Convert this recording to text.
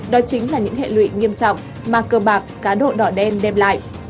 đó chính là những hệ lụy nghiêm trọng mà cờ bạc cá độ đỏ đen đem lại